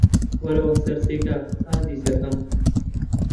وەرەوە سەر جێگا، ئازیزەکەم.